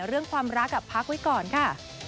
เรื่องความรักพักไว้ก่อนค่ะ